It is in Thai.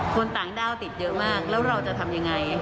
คนต่างด้าวติดเยอะมากแล้วเราจะทำยังไง